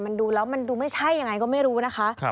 มันดูแล้วมันดูไม่ใช่ยังไงก็ไม่รู้นะคะ